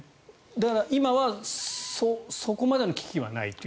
だから今はそこまでの危機はないと。